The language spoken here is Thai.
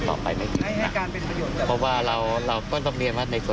ผู้ที่ไม่ไล่เพราะว่ามีการสักประเภท